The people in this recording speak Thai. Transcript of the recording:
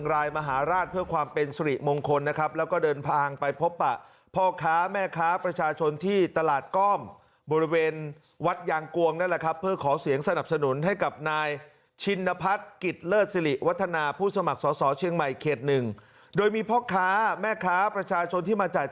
โอชาญนายกัธมนตรีนะครับผลเอกประยุจจันทร์โอชาญนายกัธมนตรีนะครับผลเอกประยุจจันทร์โอชาญนายกัธมนตรีนะครับผลเอกประยุจจันทร์โอชาญนายกัธมนตรีนะครับผลเอกประยุจจันทร์โอชาญนายกัธมนตรีนะครับผลเอกประยุจจันทร์โอชาญนายกัธมนตรีนะครับผลเอกประยุจจันทร์โอชาญนายกัธ